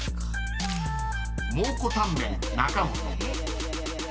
［蒙こタンメン中本］